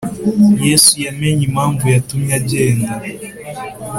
Yesu yamenye impamvu yatumye agenda.